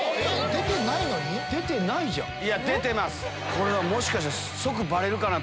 これはもしかして。